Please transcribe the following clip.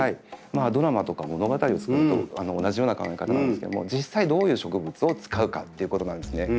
ドラマとか物語を作るのと同じような考え方なんですけども実際どういう植物を使うかっていうことなんですね。